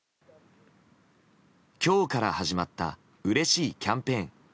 今日から始まったうれしいキャンペーン。